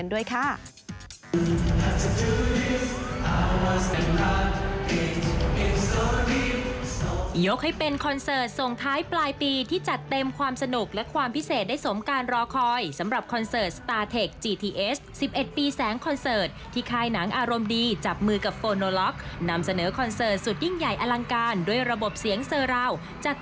วันนี้เรามีมาฝากแฟนกันด้วยค่ะ